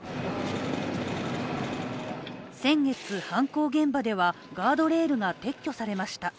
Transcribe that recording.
先月、犯行現場ではガードレールが撤去されました。